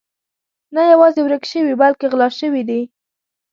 نه یوازې ورک شوي بلکې غلا شوي دي.